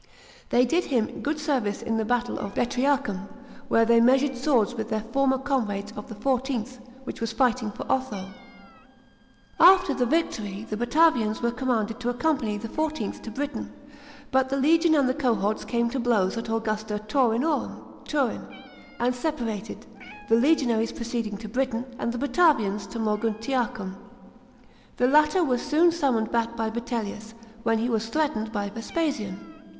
They did him sood service in the battle of Betriacum, where they measured swords with their former comrades of the XlVth, which was fighting for Otho. After 69 A.D. JULIUS CIVILIS. 353 the victory the Batavians were commanded to accompany the XlVth to Britain, but the legion and the cohorts came to blows at Augusta Taurinorum (Turin), and separated, the legionaries proceeding to Britain, and the Batavians to Moguntiarum. The latter were soon summoned back by Vitellius, when he was threatened by Vespasian.